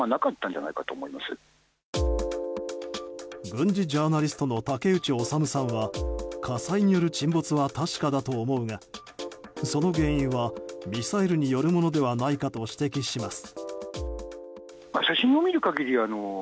軍事ジャーナリストの竹内修さんは火災による沈没は確かだと思うがその原因はミサイルによるものではないかと指摘します。